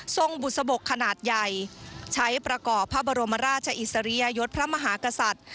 บุษบกขนาดใหญ่ใช้ประกอบพระบรมราชอิสริยยศพระมหากษัตริย์